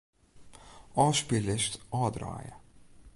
Ofspyllist ôfdraaie.